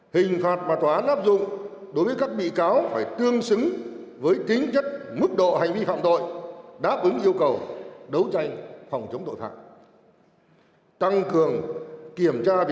hình phạt mà tòa án áp dụng đối với các bị cáo phải tương xứng với tính chất mức độ hành vi phạm tội đáp ứng yêu cầu đấu tranh phòng chống tội phạm